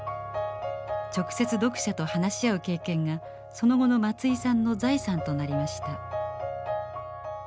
直接読者と話し合う経験がその後の松居さんの財産となりました。